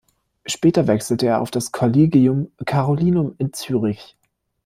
Später wechselte er auf das Collegium Carolinum in Zürich.